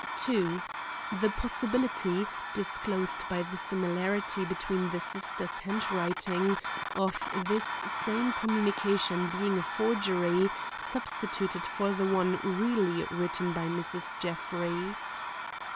2. The possibility, disclosed by the similarity between the sisters' handwriting, of this same communication being a forgery substituted for the one really written by Mrs. Jeffrey.